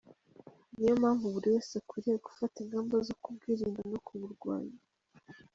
Ni yo mpamvu buri wese akwiriye gufata ingamba zo kubwirinda no kuburwanya.